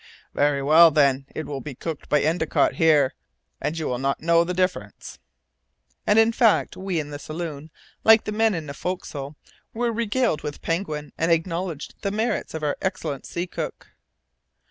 "Very well, then; it will be cooked by Endicott here, and you will not know the difference." And in fact we in the saloon, like the men in the forecastle, were regaled with penguin, and acknowledged the merits of our excellent sea cook.